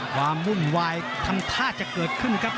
ความวุ่นวายทำท่าจะเกิดขึ้นครับ